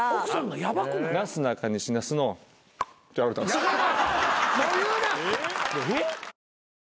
なすなかにし那須の。ってやられたんです。